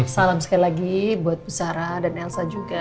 salam sekali lagi buat pusara dan elsa juga